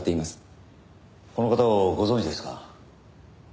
この方をご存じですか？